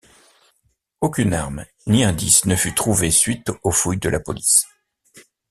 Aucune arme ni indice ne fut trouvé suite aux fouilles de la police.